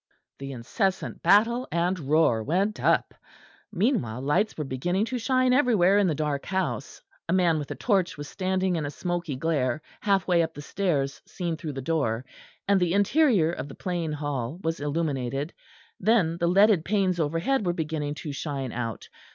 The incessant battle and roar went up. Meanwhile lights were beginning to shine everywhere in the dark house. A man with a torch was standing in a smoky glare half way up the stairs seen through the door, and the interior of the plain hall was illuminated. Then the leaded panes overhead were beginning to shine out.